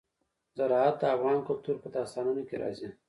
زراعت د افغان کلتور په داستانونو کې راځي.